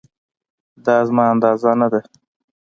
دا زما اندازه نه ده